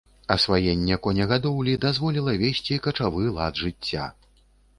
Асваенне конегадоўлі дазволіла весці качавы лад жыцця.